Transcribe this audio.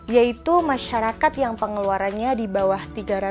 yaitu masyarakat yang pengeluarannya di bawah tiga ratus empat puluh lima